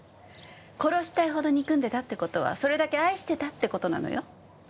殺したいほど憎んでたって事はそれだけ愛してたって事なのよ。